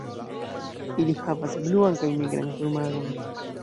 Ili havas bluan kaj nigran plumaron.